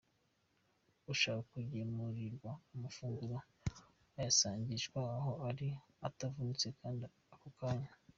Ushaka kugemurirwa amafunguro ayasangishwa aho ari atavunitse kandi ako kanya.